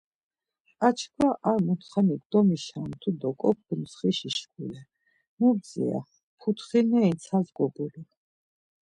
Açkva ar muntxanik domişantu do gop̌ǩuntsxi şkule mu bdzira, putxineri ntsas gobulur.